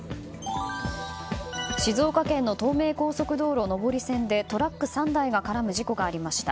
静岡県の東名高速道路上り線でトラック３台が絡む事故がありました。